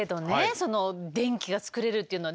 その電気が作れるっていうのは。